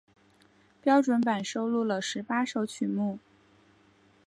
标准版收录了十八首曲目。